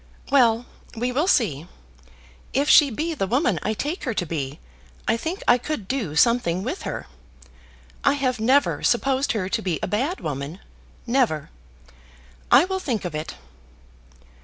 "Well, we will see. If she be the woman I take her to be, I think I could do something with her. I have never supposed her to be a bad woman, never. I will think of it."